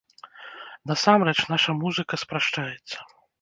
Насамрэч, наша музыка спрашчаецца.